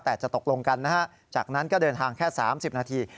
แต่จะตกลงกันนะฮะจากนั้นก็เดินทางแค่๓๐นาที